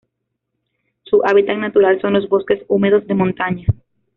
Su hábitat natural son los bosques húmedos de montaña.